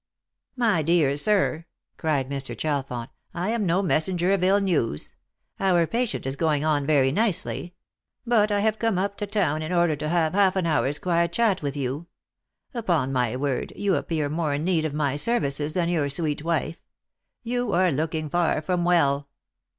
" .My dear sir," cried Mr. Ohalfont, " I am no messenger of ill news. Our patient is going on very nicely. But I have come up to town in order to have half an hour's quiet chat with you. Upon my word, you appear more in need of my services than your sweet wife. You are looking far from well."